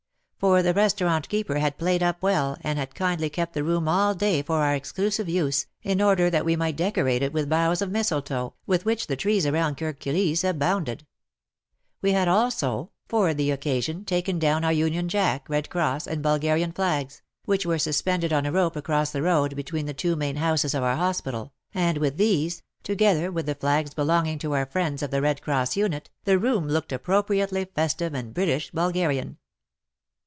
For the restaurant keeper had played up well, and had kindly kept the room all day for our exclusive use, in order that we might decorate it with boughs of mistletoe, with which the trees around Kirk Kilisse abounded. We had also, ♦ w^ ^f A Satisfactory Bargain over Turkey. ,«>•" i %'*■» i WAR AND WOMEN 187 for the occasion, taken down our Union Jack, Red Cross and Bulgarian flags, which were suspended on a rope across the road between the two main houses of our hospital, and with these, together with the flags belonging to our friends of the Red Cross unit, the room looked appropriately festive and British Bulgarian.